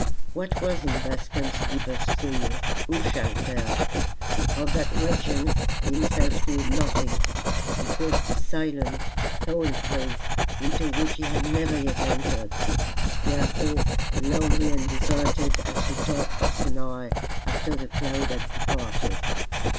What was in Bascombe's deepest soul who shall tell? Of that region he himself knew nothing. It was a silent, holy place into which he had never yet entered therefore lonely and deserted as the top of Sinai after the cloud had departed.